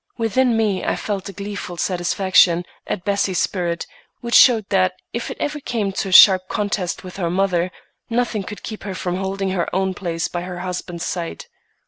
Within me I felt a gleeful satisfaction at Bessie's spirit, which showed that if it ever came to a sharp contest with her mother, nothing could keep her from holding her own place by her husband's side.